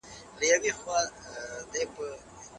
مهربانه اوسئ.